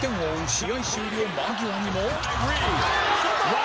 試合終了間際にも山崎：外！